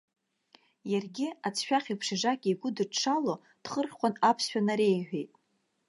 Иаргьы, аӡшәах еиԥш ижакьа игәыдыҽҽало, дхырхәан аԥсшәа нареиҳәеит.